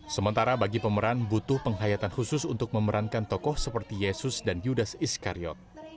sementara bagi pemeran butuh penghayatan khusus untuk memerankan tokoh seperti yesus dan yudas iskariot